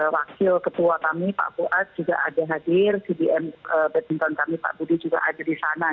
wakil ketua kami pak buas juga ada hadir cbm badminton kami pak budi juga ada di sana